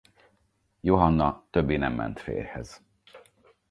Johanna többé nem ment férjhez.